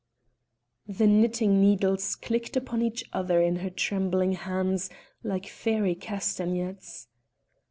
The knitting needles clicked upon each other in her trembling hands, like fairy castanets.